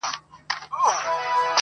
زلمۍ سندري د هارون حکیمي